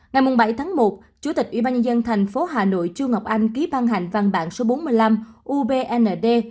ngày bảy tháng một chủ tịch ủy ban nhân dân thành phố hà nội trung ngọc anh ký ban hành văn bản số bốn mươi năm ubnd